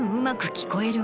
聞こえる。